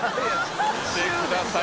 見てください